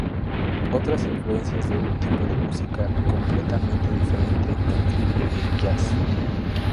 Otras influencias de un tipo de música completamente diferente incluye el jazz.